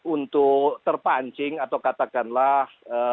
untuk terpancing atau katakanlah